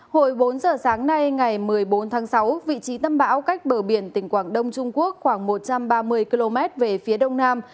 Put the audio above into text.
hồi bốn giờ sáng nay ngày một mươi bốn tháng sáu vị trí tâm bão cách bờ biển tỉnh quảng đông trung quốc khoảng một trăm ba mươi km về phía đông nam